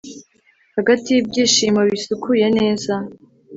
hagati y'ibyishimo bisukuye neza